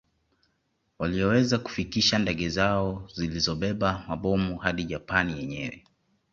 Walioweza kufikisha ndege zao zilizobeba mabomu hadi Japani yenyewe